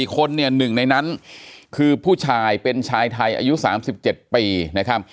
คนเนี่ย๑ในนั้นคือผู้ชายเป็นชายไทยอายุ๓๗ปีนะครับ